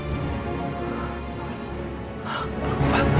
ambillah semua untukmu